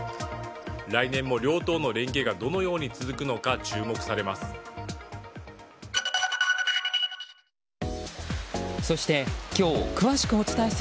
来年も両党の連携がどのように続くのか注目されます。